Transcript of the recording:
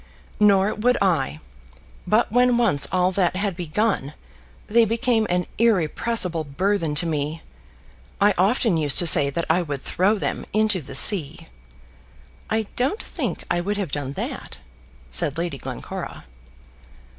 "Nor would I. But when once all that had begun, they became an irrepressible burthen to me. I often used to say that I would throw them into the sea." "I don't think I would have done that," said Lady Glencora.